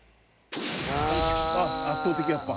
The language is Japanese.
「あっ圧倒的やっぱ」